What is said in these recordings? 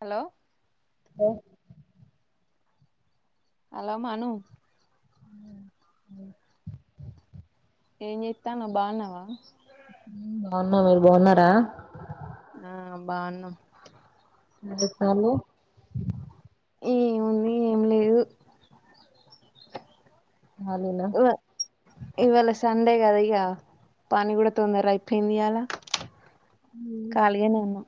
Hello ఓ hello మను [inaudible] ఏం చేస్తా నువు బాగున్నావా బాగున్నా మీరు బాగున్నారా ఆ బాగున్నా అ తాను ఏముంది ఏం లేదు కాలినా ఇవా ఇవాళ సండే కదా ఇక పని కూడా తొందర అయిపోయింది అలా కాలగానే ఉన్న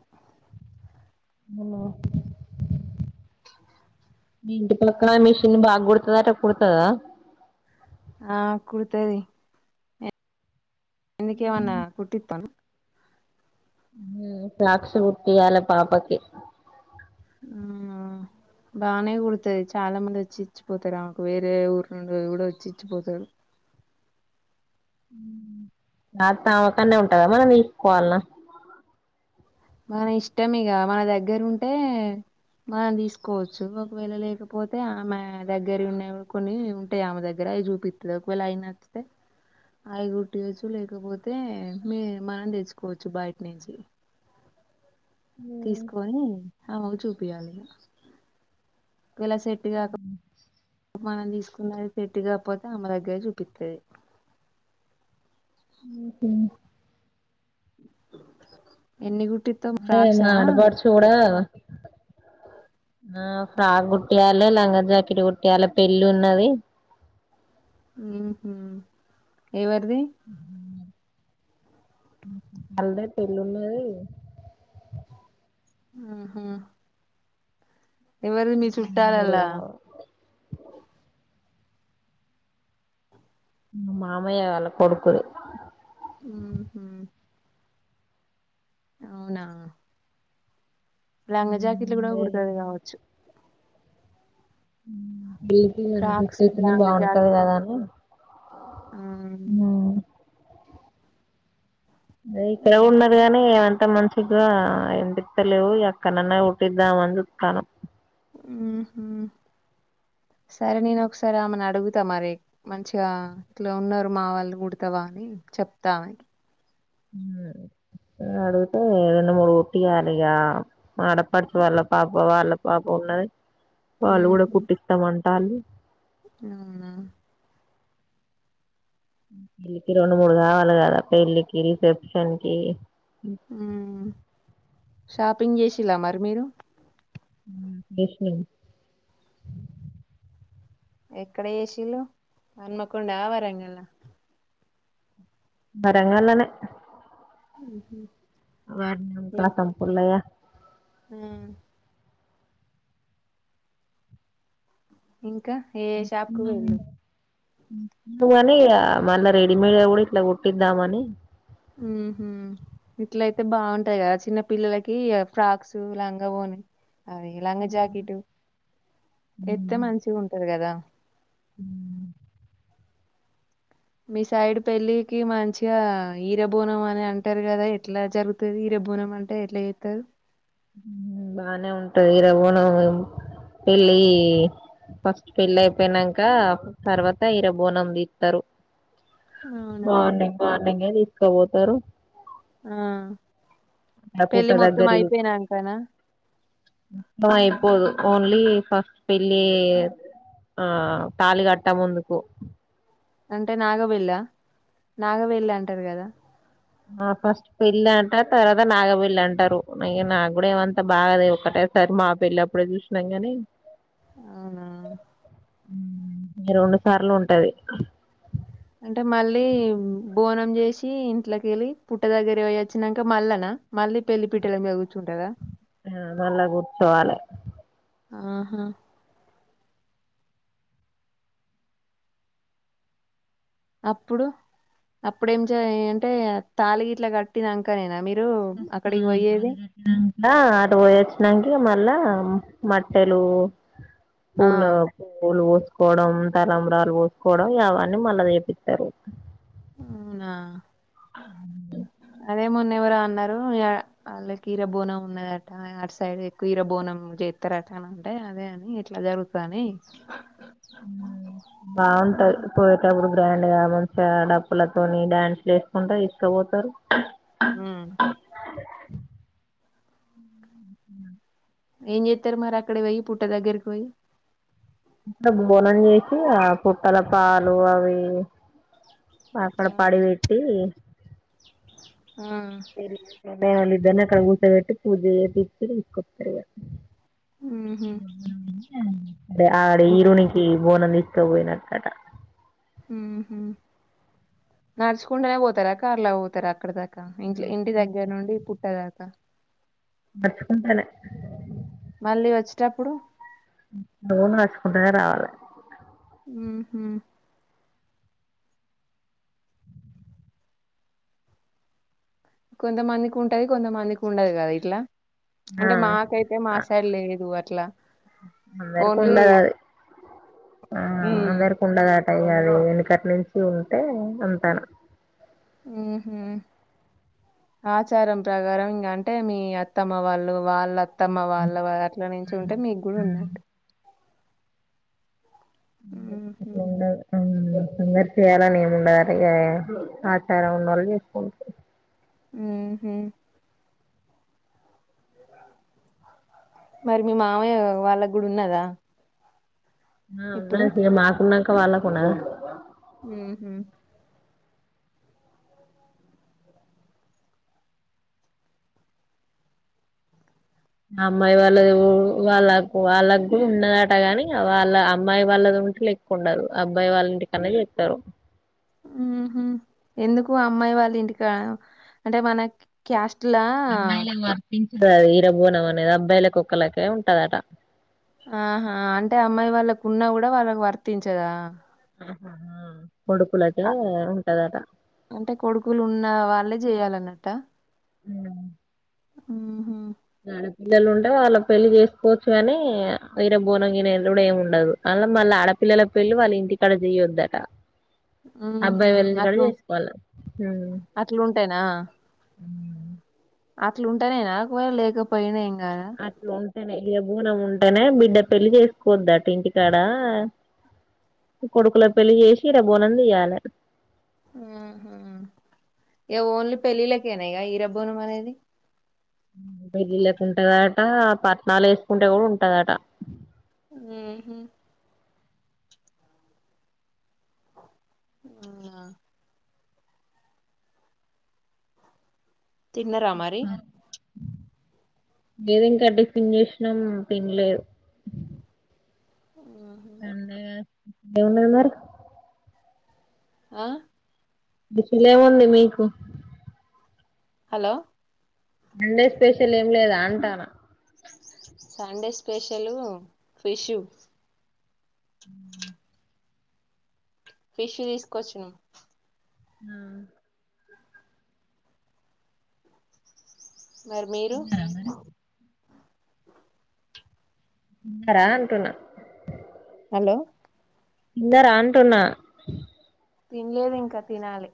ఇంటి పక్కన మిషిన్ బాగు కుడుతుదా అట కుడుతుదా ఆ కుడతరి ఎందుకేవన కుటిత్తను ఫలాస్ కుట్టాల పాపకి బానే కుడతుది చాలా మంది వచ్చి ఇచ్చిపోతారు ఆమెకు వేరే ఊరు నుండు కూడా వచ్చి ఇచ్చిపోతారు త అమకనేే ఉంటందా మనం తీసుకోవాలన్నా మన ఇష్టం ఇక మన దగ్గర ఉంటే మనం తీసుకోవచ్చు ఒకవేళ లేకపోతే ఆమె దగ్గర ఉన్న కొన్ని ఉంటాయి ఆమె దగ్గర అవి చూపిస్తుది ఒకవేళ అవి నచ్చితే అవి కుట్టటియచ్చు లేకపోతే మీ మనం తెచ్చుకోవచ్చు బయట నుంచి తీసుకొని అమ్మకు చూపిించాలి ఇలా సెట్ కాకపో మనం తీసుకున్నది సెట్టు కాకపోతే అమ్మ దగ్గర చూపిస్తుది ఎన్ని కుటిి అదే మా ఆడపడుచు కుడా ఆ ఫ్రాక్ కుట్టయాలి లంగా జాకెట్ కుట్టయాలి పెళ్ళి ఉన్నది ఏవరి [inaudible] మల పెళ్ళిన్నది ఆహా ఎవరి మీ రెండు మూడు చుట్టాలలా కావాలి మామయ్య వాళ్ల కొడుకుధి ఆ హ అవునా లాంగ జాకెట్లు కూడా రెండు కుడతది కావచ్చు ఫ్రాక్స్ బజుట్తుంది లంగా బాగుంటది జాకెట్ కదాని ఆ హు అదే ఇక్కడ కూడా ఉన్నారు గానీ ఏమంత మ ఇగా ఎం దికు తెలివు ఎక్కనన్న కుట్టిద్దా అని సుతానం మ్ హు సరే నేను ఒకసారి ఆమెను అడుగుతా మరే మంచిగా ఇట్లా ఉన్నారు మా వాళ్ళు కుడతావా అని చెప్తా ఆమెకి అడుగితే రెండు మూడు కుట్టియాలి ఇగా ఆడపడుచు వాళ్ళ పాప వాళ్ళ పాప ఉన్నది వాళ్ళు కూడా ఉహు కుట్టితం తాళ్లి అవునా ళ్ళికి రెండు మూడు కావాలి కదా పెళ్ళికి రిసెప్షన్ కి ఉమ్ షాపింగ్ చేసిల్లా మరి మీరు చేసినాం ఎక్కడ చేసింళ్ళు హనుమకొండనా వరంగల్ ఆ వరంగల్లోనే అహ [inaudible] వారు న కసంప్పులయ [unintelligible] ఆమ్ ఇంకా కా ఏ ఏ షాప్కి పోయిన్లు పు అని ఇగా మళ్ళ రెడిమేడ్ గ కూడా ఇట్లా కుట్టిద్దాం అనీ ఉహ హుమ్ ఇట్ల అయితే బాగుంటాయి కదా చిన్న పిల్లలకి ఫ్రాక్స్ లంగా వోని అవి లంగ జాకెట్ ఎత్తే మంచిగా ఉంటాది కదా ఆమ్ మీ సైడ్ పెళ్ళికి మంచిగా హీరబోనం అని అంటారు కదా ఎట్లా జరుగుతది హీరబోనం అంటే ఎట్లా చేస్తారు బానే ఉంటాది హీరబోనం పెళ్ళి ఫస్ట్ పెళ్ళి అయిపోయినాక తర్వాత హీరబోనం దిస్తారు అవునా మార్నింగ్ మార్నింగే తీసుకోబోతారు తరు ఆ పుట్ట పెళ్లి మొత్తం దగ్గర అయిపోయినంకనా ఇప్పున్ [unintelligible] ళ్ళి ఫస్ట్ పెళ్ళి ఆ తాళి కట్టక ముందుకు అంటే నాగబెళ్ళ నాగబెల్లి అంటారు కదా ఆ ఫస్ట్ పెళ్ళి అంటారు తర్వాత నాగపళ్లి అంటారు అ నాకు కూడా ఏమంతా బాగ ఒక్కటేసారి మా పెళ్లి అప్పుడే చూసినాం కాని అవునా రెండు సార్లు ఉంటాది అంటే మళ్ళీ బోనం చేసి ఇంట్లోకి వెళ్ళి, పుట్ట దగ్గర పోయోచాక మళ్ళనా, మళ్ళీ పెళ్లి పీటల కూర్చోంటారా ఆ నల్ గుడ్చవాల ఆహా అప్పుడు అప్పుడేం చే అంటే తాలిగిట్లా కట్టినాకనా మీ ఆ అటు పోయి వచ్చినాక మల్ల మెట్టెలు ఆ పూల పూలు పోసుకోవడం తలంబ్రాలు పోసుకోవడం అవన్నీ మళ్ళా చేపిస్తారు అవునా అదే మందు ఎవరు అన్నారు వాళ్ళకి హీర బోనం ఉన్నాదట అ సైడ్ ఎక్కువ హీర బోనం చేస్తారట అని అంటే అదే అని ఇట్లా జరుగుతాయని మ్ బాగుంటాది పోయేటప్పుడు బ్రాండ్ గా మంచిగా డప్పులతోని డ్యాన్స్ చేసుకుంటారు తీస్కాపోతారు మ్ ఏం చేస్తారు మరి అక్కడ పోయి పుట్ట దగ్గరికి పోయి [unintelligible] బోనం చేసి ఆ పుట్టల పాలు అవి అక్కడ ఆ పడి పెట్టీ [unintelligible] ఇదనా కగుసబట్టి పూజ తీ ఇచ్చి ఇసుకతారు ఉహు అ ఆడ ఇరునికి పోన నిస్త పోయినాట్కట నడుచుకుంటనే పోతారా క అర్లా పోతారా అక్కడ దాకా క ఇంట్ ఇంటి దగ్గర నుండి పుట్టదాకా మర్చకుంటలే మళ్ళీ వచ్చేటప్పుడు నువ్వును నచుకుంటానే రావాలి మ్ హు కొంతమందికి ఉంటది కొంతమందికి ఉండదు కదా ఇట్లా ఆ అంటే మాకైతే మా సైడ్ లేదు అట్లా అఅందరికి ఓన్లీ ఉండదు అది ఆ ఉమ్ అఅందరికి ఉండద అంటాయి అది వెనుకటి నుంచి ఉంటే ఉంటాను ఉహు ఆచారం ప్రకారం ఇంకా అంటే మీ అత్తమ్మ వాళ్ళు వాళ్ళ అత్తమ్మ వాళ్ళ అట్ల నుంచి ఉంటే మీకు కూడా ఉన్న ఉహు [unintelligible] అందరి చేయాలని ఏమి ఉండాలి ఇ ఆచారం ఉన్న వాళ్ళు చేసుకుంట మ్ హు మరి మీ మామయ్య వాళ్ళకు కూడా ఉన్నదా ఇప్పుడు ఉ మాకున్నా పక్క వాళ్ళకున హ హ అమ్మాయి వాళ్ళది వాళ్ళ వాళ్ళ కూడా ఉన్నదట గాని వాళ్ళ అమ్మాయి వాళ్ళది ఉంటే ఎకు ఉండరు అబ్బాయి వాళ్ళంటి కన్నా ఎక్కారు ఉహ ఎందుకు అమ్మాయి వాళ్ళ ఇంటికా అంటే మన క్యాస్ట్ ఇట్లా ించ అది ఈీరబోనం అనేది అబ్బాయిలలకుొక్కళ్ళకే ఉంటదట ఆహా అంటే అమ్మాయి వాళ్ళకున్నా కూడా వాళ్ళకి వర్తించదా ఆహహా అంటే కొడుకులు ఉన్న వాళ్ళే చేయాల అన్నట అ ఆహా ఆడపిల్లలు ఉంటే వాళ్ళ పెళ్లి చేసుకోవచ్చు కానీ వరబోనంగ కూడా ఏమి ఉండదు అ మళ్ళీ ఆడపిల్లల పెళ్లి వాళ్ళ ఇంటికాడ చేయొద్దట ఉహు అబ్బాయి వెళ్ళంచి కూడాడ చేసుకోవాలి స్తేనా అట్లుంటానే నాకుే లేకపోయినాం అట్లు ఉంటాేనేబు బనం ఉంటేనే బిడ్డ పెళ్లిి చేసుకోవద్ద అటు ఇంటికాడ కొడుకుల పెళ్లిి చేసి ఇ ర బోనం తీియాలి ఆహ ఇక ఓన్లీ పెళ్ళిళకేనాక ఇరబోనం అనేది అ పట్టనాలు వేసుకుంటే కూడా ఉంటదట ఉమ్ ఉ తిన్నరా మరి ఏద ఇంకాడ పన్ చేసినాం పన్లేదు ఉహు ఎవున్నన్నారురి ఆ దక్షలే ఏముంది మీకు హలో మండే స్పెషల్ ఏం లేదా అంటాను సండే స్పెషలు ఫిష్ు ఫిష తీసుకోవచ్చును ఆ మరి మీరు ఉన్నారా అంటున్నా హలో కిందా రాంటున్నా తినలేదు ఇంకా తినాలి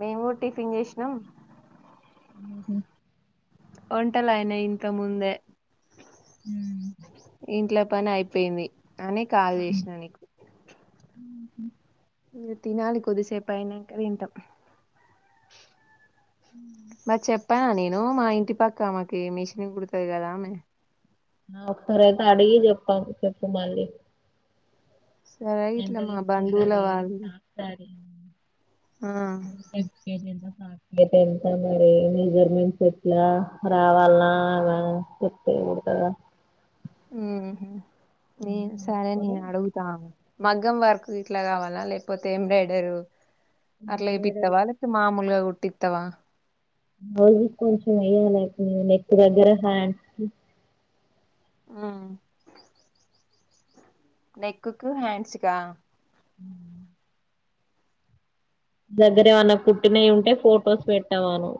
మేము కూడా టిఫిన్ చేసినాం అద ఒంటలా అయన ఇంత ముందే హ ఇంట్లో పని అయిపోయింది అనే కాల్ చేసినా నీకు తినాలు కోదిసేపయణంక తింటాం ఉ మరి చెప్పానా నేను మా ఇంటి పక్క అమాకి మిషనీ కుడతుది గదా ఆమె. ఆ ఒక్కసారైతే అడిగి చెప్పా చెప్పు మళ్ళీ. సరే ఎంత ఇట్లా మా బంధువుల తీసుకుంటది వాళ్ళు. ఆ ఏప్ కే చేదాం. అతే ఎంత మరి మెజర్మెంట్స్ ఎట్లా రావాలన మరి చెప్పేతే కూడతదా. ఉ ఊ సరే అనుకొని నేను అడుగుతా. మగ్గం వర్క్ ఇట్లా కావాలా లేకపోతే ఎంబ్రాయిడరు. అట్లా ఎపిత్తవ లేకుంటే మాముూలుగా కూడ. తేత్తవా. అది కొంచెం వెయ్యాలె ఉ నెక్ దగ్గర హ్యాండ్ కి. ఆ. నెక్కికు హాండ్సకా. ఉ దగ్గర ఏమన్నా కుట్టినయి ఉంటే ఫొటోస్ పెట్టమను.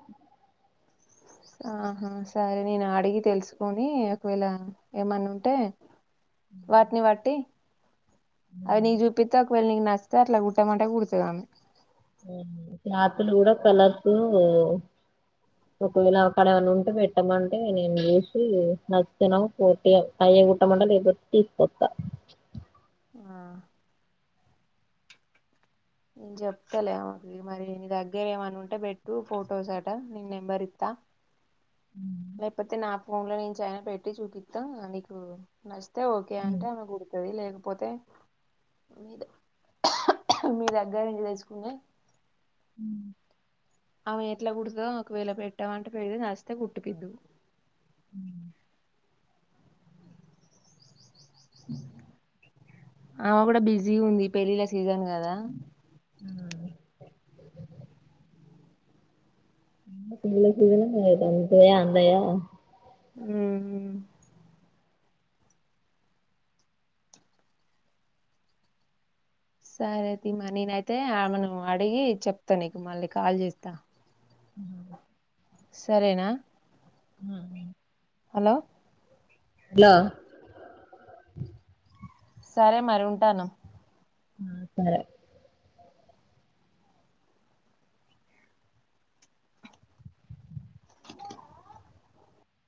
ఆహా సరే నేను అడిగి తెలుసుకొనీ ఒకవేళ ఏమన్నా ఉంటే వాటిని వట్టి. అది చూపిటాక్. ఒకవేళ నీకు నచ్చితే అట్లా కుట్టామంటే కుడుతదామె. క్లాతులు కూడా కర్స్ ఊ ఒకవేళ అక్కడ ఏమనా ఉంటే పెట్టమంటే నేను చేూసి నచ్చినవ్ పోటీగ అయ్య కుట్టమంట లేకపోతే తీసుకోస్తా. ఆ చెప్తాలే అ మరి నీ దగ్గర ఏమన్న ఉంటే పెట్టు ఫొటోస్ అట నీ నెంబర్ ఇత్త. లేకపోతే నా ఫోన్ ల నుంచి ఐన పెట్టి చూపిత్త నీకు నష్. అతే ఓకే అంటే ఆమె కుడుతుది లే. పోతే మీ మీ దగ్గర నుండి తెచ్చుకునే. ఆమె ఎట్లా కుడుదో ఒకవేళ పెట్టా మంటే పెడితే నస్తతే గుట్టి పిద్దువ్. అ అమె కూడా బిజీ ఉంది పెళ్ళిళ్ళ సీజన్ గా. కదా. పెళ్లిళ్ల సీజన్ కదా అందుతాయో అందయో. ఊమ్. సరే తియ్ మా నేనైతే అమాను అడిగి చెప్తా నీకు మళ్ళీ కాల్ చేస్తా. అ సరేనా. హ హలో. హలో. సరే మరి ఉంటాన్న. సరే.